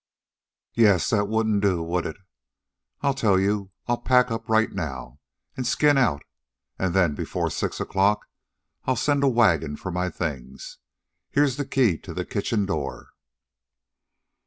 "Yes; that wouldn't do, would it? I'll tell you: I'll pack up right now, and skin out, and then, before six o'clock, I'll send a wagon for my things. Here's the key to the kitchen door."